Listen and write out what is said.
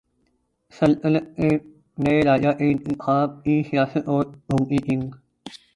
سلطنت کے نئے راجا کے انتخاب کی سیاست اور ڈونکی کنگ